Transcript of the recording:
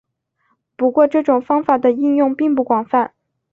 不过这种方法的应用并不广泛。